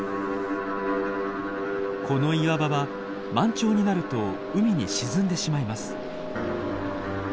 この岩場は満潮になると海に沈んでしまいます。